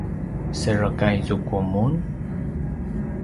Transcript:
serekay zuku mun?